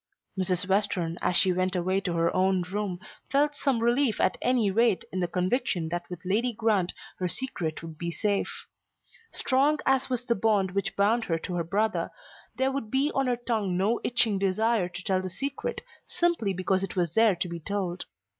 Mrs. Western as she went away to her own room felt some relief at any rate in the conviction that with Lady Grant her secret would be safe. Strong as was the bond which bound her to her brother, there would be on her tongue no itching desire to tell the secret simply because it was there to be told.